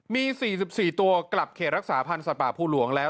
มี๔๔ตัวกลับเขตรักษาพันธ์สัตว์ป่าภูหลวงแล้ว